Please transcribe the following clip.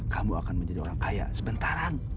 kamu akan menjadi orang kaya sebentaran